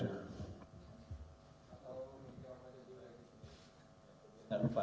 atau menjelaskan lagi